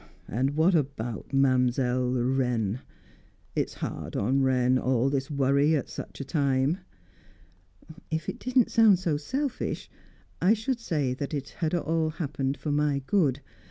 "And what about Mam'zelle Wren? It's hard on Wren, all this worry at such a time." "If it didn't sound so selfish, I should say it had all happened for my good.